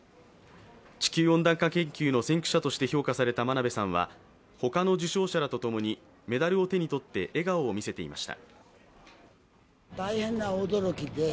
地球温暖化研究の先駆者として評価された真鍋さんは、他の受賞者らと共に、メダルを手に取って笑顔を見せていました。